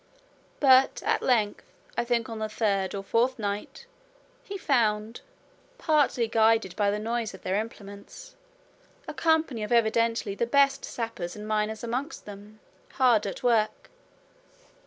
But at length, I think on the third or fourth night, he found, partly guided by the noise of their implements, a company of evidently the best sappers and miners amongst them, hard at work.